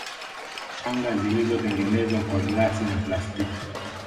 Shanga zilizotengenezwa kwa glasi na plastiki